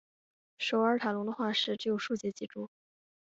普尔塔龙的化石只有数节脊椎。